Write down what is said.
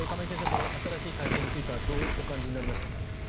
この新しい体制についてはどうお感じになりましたか？